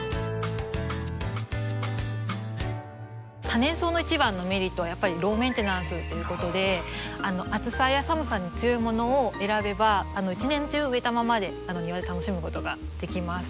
多年草の一番のメリットはやっぱりローメンテナンスっていうことで暑さや寒さに強いものを選べば一年中植えたままで庭で楽しむことができます。